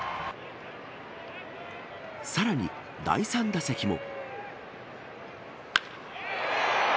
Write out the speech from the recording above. さらに第３打席も。